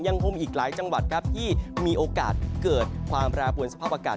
คงอีกหลายจังหวัดครับที่มีโอกาสเกิดความแปรปวนสภาพอากาศ